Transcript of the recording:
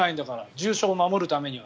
重症を守るためには。